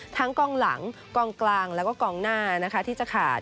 ทั้งกองหลังกองกลางแล้วก็กองหน้าที่จะขาด